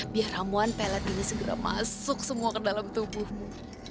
biar ramuan pelet ini segera masuk semua ke dalam tubuhmu